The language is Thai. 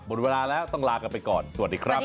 หมดเวลาแล้วต้องลากันไปก่อนสวัสดีครับ